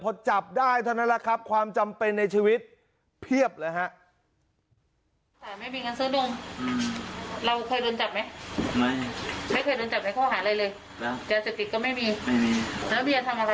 พอจับได้เท่านั้นแหละครับความจำเป็นในชีวิตเพียบเลยฮะ